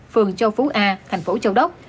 phường châu phú a thành phố châu đốc